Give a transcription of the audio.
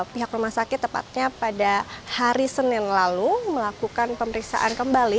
pihak rumah sakit tepatnya pada hari senin lalu melakukan pemeriksaan kembali